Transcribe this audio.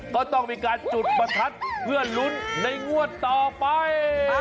ก็ต้องมีการจุดประทัดเพื่อลุ้นในงวดต่อไป